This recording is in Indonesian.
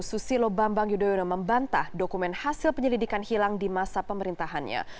susilo bambang yudhoyono membantah dokumen hasil penyelidikan hilang di masa pemerintahannya